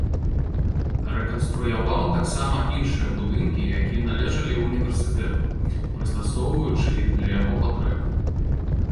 Рэканструяваў таксама іншыя будынкі, якія належалі ўніверсітэту, прыстасоўваючы іх для яго патрэб.